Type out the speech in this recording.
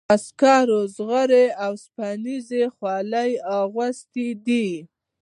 عسکرو زغرې او اوسپنیزې خولۍ اغوستي دي.